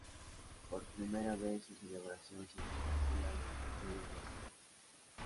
Por primera vez su celebración se desvincula de la Feria de Almería.